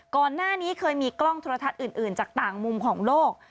ก่อนหน้านี้เคยมีกล้องโทรทัศน์อื่นจากต่างมุมของโลก